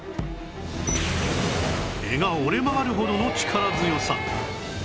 柄が折れ曲がるほどの力強さ